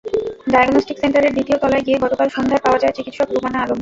Diagnostic সেন্টারের দ্বিতীয় তলায় গিয়ে গতকাল সন্ধ্যায় পাওয়া যায় চিকিৎসক রুমানা আলমকে।